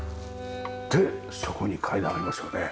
でそこに階段ありますよね。